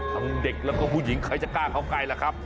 เด็กแล้วก็ผู้หญิงใครจะกล้าเข้าใกล้ล่ะครับ